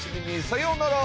さようなら！